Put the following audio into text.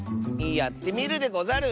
やってみるでござる！